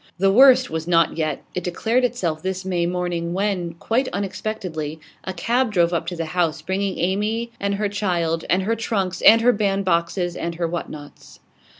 The worst was not yet. It declared itself. this May morning, when, quite unexpectedly, a cab drove up to the house, bringing Amy and her child, and her trunks, and her band boxes, and her what nots.